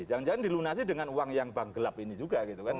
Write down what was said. jangan jangan dilunasi dengan uang yang bank gelap ini juga gitu kan